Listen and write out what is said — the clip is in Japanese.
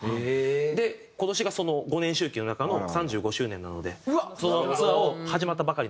で今年がその５年周期の中の３５周年なのでそのツアーを始まったばかりなんですけど。